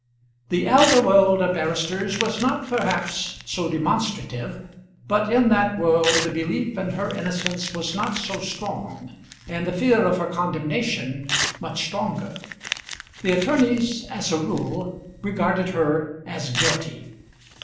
The elder world of barristers was not, perhaps, so demonstrative, but in that world the belief in her innocence was not so strong, and the fear of her condemnation much stronger. The attorneys, as a rule, regarded her as guilty.